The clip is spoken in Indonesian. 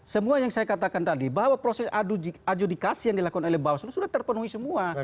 semua yang saya katakan tadi bahwa proses adjudikasi yang dilakukan oleh bawaslu sudah terpenuhi semua